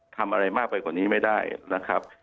ทำอะไรมากไปกว่านี้ไม่ได้นะครับ